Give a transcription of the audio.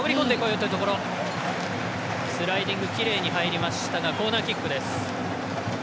スライディングきれいに入りましたがコーナーキックです。